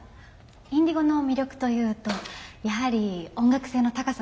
Ｉｎｄｉｇｏの魅力というとやはり音楽性の高さです。